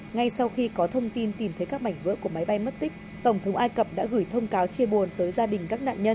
ngay sau khi có thông tin tìm thấy các mảnh vỡ của máy bay mất tích tổng thống ai cập đã gửi thông cáo chia buồn tới gia đình các nạn nhân